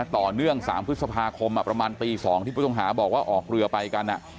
ต่อเนื่อง๓พฤษภาคมประมาณตี๒ที่ผู้ต้องหาบอกว่าออกเรือไปกัน